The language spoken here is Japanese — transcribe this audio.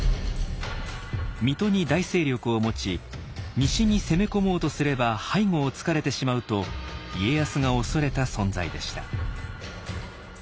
水戸に大勢力を持ち西に攻め込もうとすれば背後を突かれてしまうと家康が恐れた存在でした。